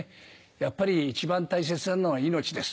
やっぱり一番大切なのは命です。